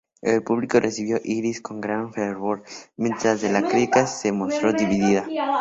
El público recibió "Iris" con gran fervor, mientras que la crítica se mostró dividida.